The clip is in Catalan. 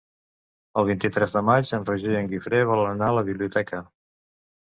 El vint-i-tres de maig en Roger i en Guifré volen anar a la biblioteca.